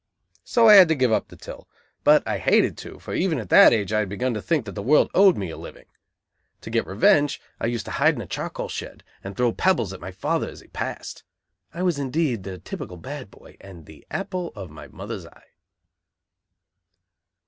So I had to give up the till; but I hated to, for even at that age I had begun to think that the world owed me a living! To get revenge I used to hide in a charcoal shed and throw pebbles at my father as he passed. I was indeed the typical bad boy, and the apple of my mother's eye.